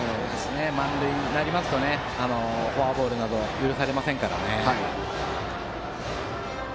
満塁になりますとフォアボールなどは許されませんからね。